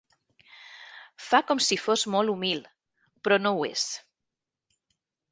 Fa com si fos molt humil, però no ho és.